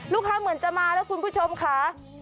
เหมือนจะมาแล้วคุณผู้ชมค่ะ